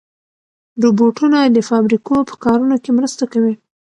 روبوټونه د فابریکو په کارونو کې مرسته کوي.